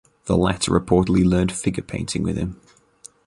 The latter reportedly learned figure painting with him.